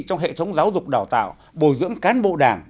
trong hệ thống giáo dục đào tạo bồi dưỡng cán bộ đảng